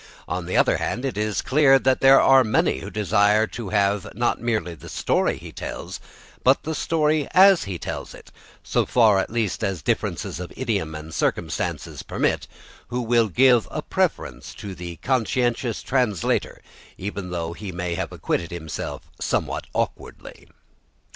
On the other hand, it is clear that there are many who desire to have not merely the story he tells, but the story as he tells it, so far at least as differences of idiom and circumstances permit, and who will give a preference to the conscientious translator, even though he may have acquitted himself somewhat awkwardly.